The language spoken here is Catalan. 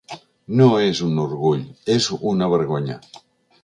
No és un orgull, és una vergonya.